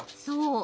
そう。